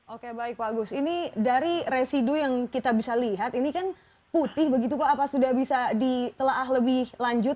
oke baik pak agus ini dari residu yang kita bisa lihat ini kan putih begitu pak apa sudah bisa ditelah lebih lanjut